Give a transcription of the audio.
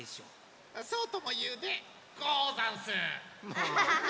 アハハハハ！